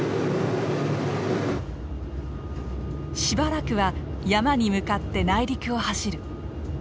しばらくは山に向かって内陸を走る。